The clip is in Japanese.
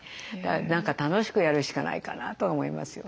何か楽しくやるしかないかなとは思いますよね。